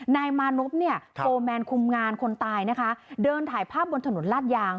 นายมานพเนี่ยโฟร์แมนคุมงานคนตายนะคะเดินถ่ายภาพบนถนนลาดยาง